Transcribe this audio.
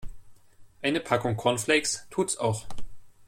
Eine Packung Cornflakes tut's auch.